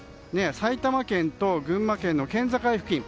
埼玉県と群馬県の県境付近。